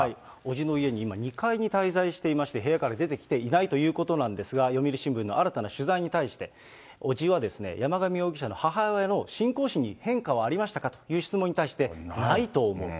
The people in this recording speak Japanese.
伯父の家に、今２階に滞在していまして、部屋から出てきていないということなんですが、読売新聞の新たな取材に対して、伯父は山上容疑者の母親の信仰心に変化はありましたかという質問に対して、ないと思う。